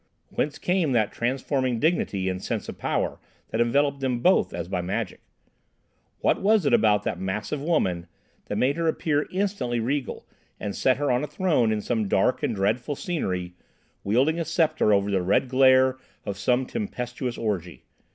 Whence came that transforming dignity and sense of power that enveloped them both as by magic? What was it about that massive woman that made her appear instantly regal, and set her on a throne in some dark and dreadful scenery, wielding a sceptre over the red glare of some tempestuous orgy?